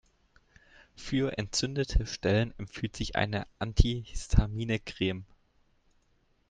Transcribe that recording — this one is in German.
Für entzündete Stellen empfiehlt sie eine antihistamine Creme.